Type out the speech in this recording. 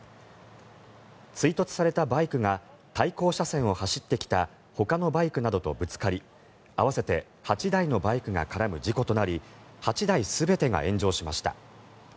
追突されたバイクが対向車線を走ってきたほかのバイクなどとぶつかり合わせて８台のバイクが絡む事故となり８台全てが炎上しました。